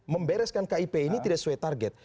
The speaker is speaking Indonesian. membereskan kip ini tidak sesuai target